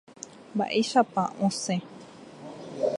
Mba'éichapa osẽ.